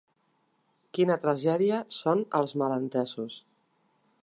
Quina tragèdia son els malentesos.